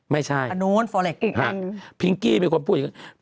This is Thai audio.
ไม่ใช่พิงกี้มีคนพูดถึงกัน